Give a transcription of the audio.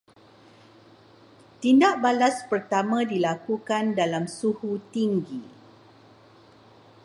Tindak balas pertama dilakukan dalam suhu tinggi